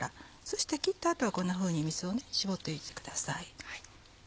そして切った後はこんなふうに水を絞っておいてください。